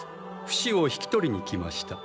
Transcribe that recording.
フシを引き取りに来ました。